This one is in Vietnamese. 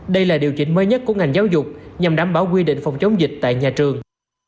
đây là điều chỉnh mới nhất của ngành giáo dục nhằm đảm bảo quy định phòng chống dịch tại nhà trường